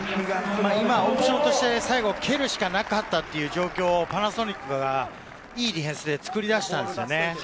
オプションとして最後、蹴るしかなかったという状況、パナソニックが良いディフェンスで作り出したんですよね。